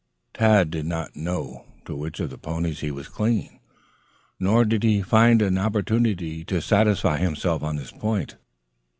Tad did not know to which of the ponies he was clinging. Nor did he find an opportunity to satisfy himself on this point.